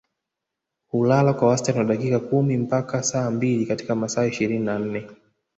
Hulala kwa wastani wa dakika kumi mpaka saa mbili katika masaa ishirini na nne